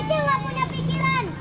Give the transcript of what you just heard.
anak kecil nggak punya pikiran